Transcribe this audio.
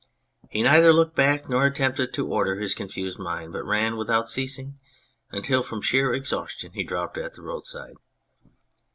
He neither looked back nor attempted to order his confused mind, but ran without ceasing until from sheer exhaustion he dropped at the roadside.